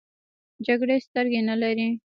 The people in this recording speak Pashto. جګړې سترګې نه لري .